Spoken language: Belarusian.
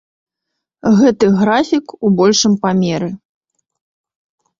Гэты графік у большым памеры.